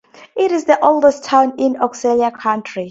It is the oldest town in Osceola County.